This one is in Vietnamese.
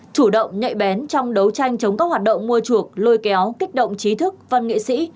chủ động nhạy bén trong đấu tranh chống các hoạt động mua chuộc lôi kéo kích động trí thức văn nghệ sĩ